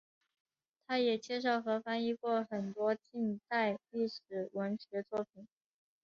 它也介绍和翻译过很多近代世界文学作品。